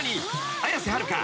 綾瀬はるか。